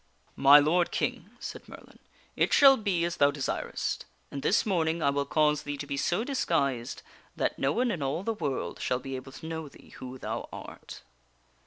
" My Lord King," said Merlin, " it shall be as thou desirest, and this morning I will cause thee to be so disguised that no one in all the world shall be able to know thee who thou art."